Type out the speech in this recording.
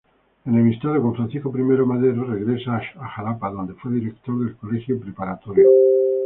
Enemistado con Francisco I. Madero, regresó a Xalapa donde fue director del Colegio Preparatorio.